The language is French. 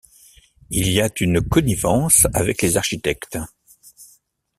Il y a une connivence avec les architectes.